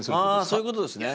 あそういうことですね。